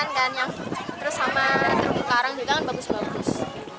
terus sama terumbu karang juga kan bagus bagus